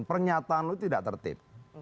pernyataan lo tidak tertib